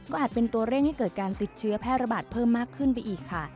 อาจเป็นตัวเร่งให้เกิดการติดเชื้อแพร่ระบาดเพิ่มมากขึ้นไปอีกค่ะ